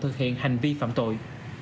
thực hiện hành vi phạm tội